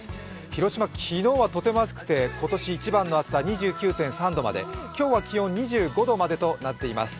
広島、昨日はとても暑くて今年一番の暑さ２９．３度まで、今日は気温２５度までとなっています。